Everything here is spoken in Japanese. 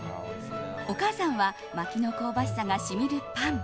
お母さんはまきの香ばしさが染みるパン。